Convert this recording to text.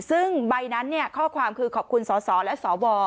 ซึ่งใบนั้นข้อความคือขอบคุณสสและสว